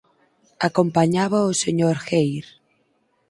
Acompañábao o señor Hare.